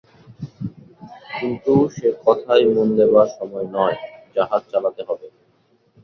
কিন্তু সে কথায় মন দেবার সময় নয়, জাহাজ চালাতে হবে।